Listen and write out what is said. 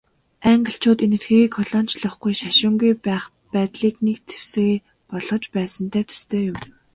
Англичууд Энэтхэгийг колоничлохгүй, шашингүй байх байдлыг нэг зэвсгээ болгож байсантай төстэй юм.